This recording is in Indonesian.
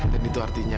dan itu artinya